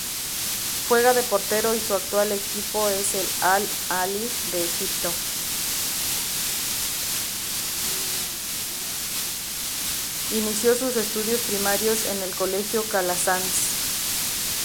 Inició sus estudios primarios en el Colegio Calasanz.